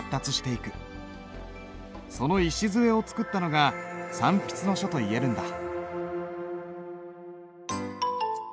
その礎を作ったのが三筆の書といえるんだ。